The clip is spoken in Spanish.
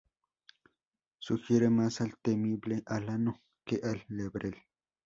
Sugiere más al temible alano que al lebrel.